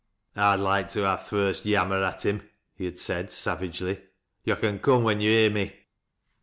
" I'd loike to ha' th' first yammer at him," he had said, savagely. " Yo' can coom when yo' hear me."